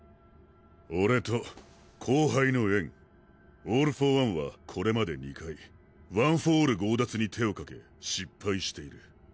俺と後輩の煙オール・フォー・ワンはこれまで２回ワン・フォー・オール強奪に手を掛け失敗している。